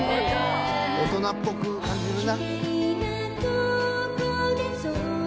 大人っぽく感じるな。